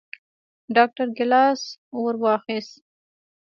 ډاکتر ګېلاس ورواخيست.